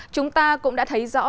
chúng ta cũng đã thấy rõ